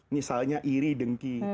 misalnya iri dengki